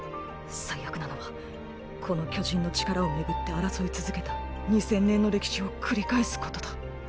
最悪なのはこの巨人の力を巡って争い続けた二千年の歴史を繰り返すことだ。